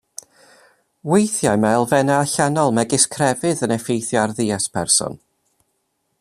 Weithiau mae elfennau allanol megis crefydd yn effeithio ar ddiet person.